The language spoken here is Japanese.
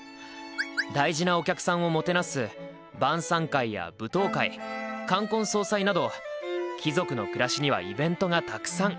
大事なお客さんをもてなす晩さん会や舞踏会冠婚葬祭など貴族の暮らしにはイベントがたくさん。